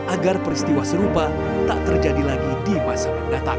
agar peristiwa serupa tak terjadi lagi di masa mendatang